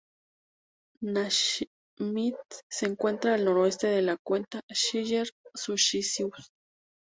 Nasmyth se encuentra al noroeste de la Cuenca Schiller-Zucchius.